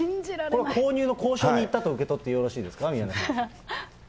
これは購入の交渉に行ったと受け取っていいですか、宮根さん。